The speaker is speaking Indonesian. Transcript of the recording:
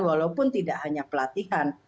walaupun tidak hanya pelatihan